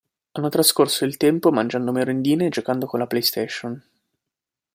Hanno trascorso il tempo mangiando merendine e giocando con la PlayStation.